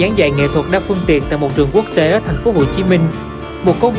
hàng ngày mật độ phương tiện tham gia giao thông qua đây là rất lớn